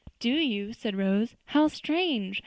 "Do you," said Rose; "how strange!